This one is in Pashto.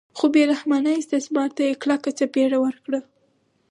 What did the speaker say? خو بې رحمانه استثمار ته یې کلکه څپېړه ورکړه.